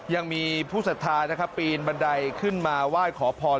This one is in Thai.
ยังมีผู้สัทธานะครับปีนบันไดขึ้นมาไหว้ขอพร